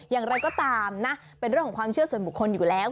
อย่างไรก็ตามนะเป็นเรื่องของความเชื่อส่วนบุคคลอยู่แล้ว